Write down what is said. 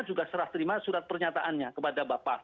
juga serah terima surat pernyataannya kepada bapak